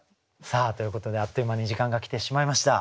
さあということであっという間に時間が来てしまいました。